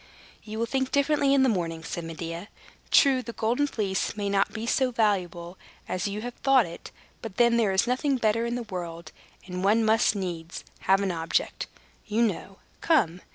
"You will think differently in the morning," said Medea. "True, the Golden Fleece may not be so valuable as you have thought it; but then there is nothing better in the world; and one must needs have an object, you know. Come!